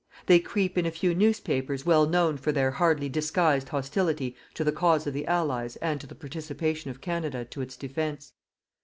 They creep in a few newspapers well known for their hardly disguised hostility to the cause of the Allies and to the participation of Canada to its defence.